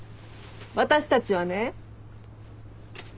私たちはね。